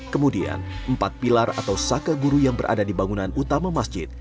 kemudian empat pilar atau saka guru yang berada di bangunan utama masjid